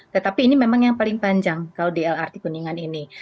tetapi ini memang yang paling panjang kalau di lrt kuningan ini